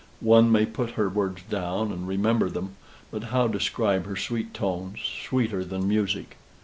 One may put her words down, and remember them, but how describe her sweet tones, sweeter than music!